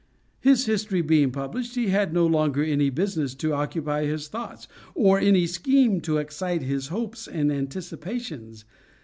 His history being published, he had no longer any business to occupy his thoughts, or any scheme to excite his hopes and anticipations.